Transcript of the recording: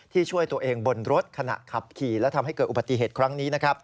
ช่วยตัวเองบนรถขณะขับขี่และทำให้เกิดอุบัติเหตุครั้งนี้